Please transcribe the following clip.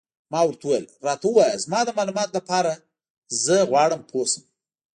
ما ورته وویل: راته ووایه، زما د معلوماتو لپاره، زه غواړم پوه شم.